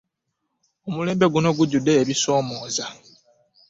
Omulembe guno gujjude ebisomoza.